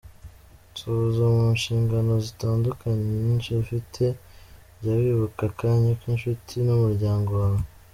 Nsoza, mu nshingano zitandukanye nyinshi ufite, jya wibuka akanya k’inshuti n’umuryango wawe.